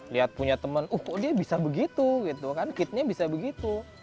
lihat punya teman oh kok dia bisa begitu gitu kan kitnya bisa begitu